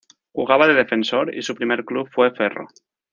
Jugaba de defensor y su primer club fue Ferro.